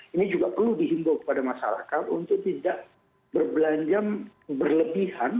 ini juga perlu dihimbau kepada masyarakat untuk tidak berbelanja berlebihan